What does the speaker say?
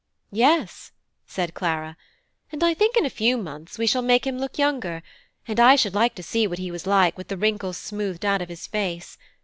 "Yes," said Clara, "and I think in a few months we shall make him look younger; and I should like to see what he was like with the wrinkles smoothed out of his face.